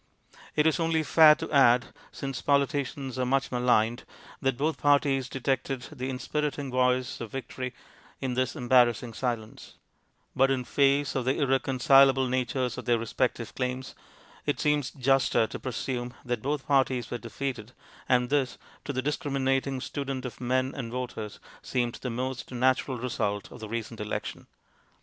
It is only fair to add, since politicians are much maligned, that both parties detected the inspiriting voice of victory in this embarrassing silence ; but in face of the irreconcilable natures of their respective claims, it seems juster to presume that both parties were defeated, and this, to the discriminating student of men and voters, seemed the most natural result of the recent election.